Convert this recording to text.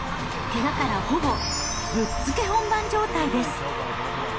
けがからほぼぶっつけ本番状態です。